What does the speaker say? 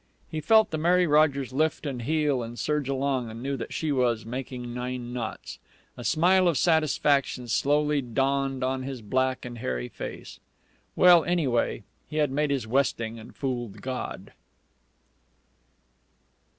He felt the Mary Rogers lift, and heel, and surge along, and knew that she was making nine knots. A smile of satisfaction slowly dawned on his black and hairy face. Well, anyway, he had made his westing and fooled God.